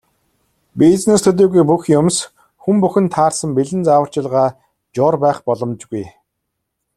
Бизнес төдийгүй бүх юмс, хүн бүхэнд таарсан бэлэн зааварчилгаа, жор байх боломжгүй.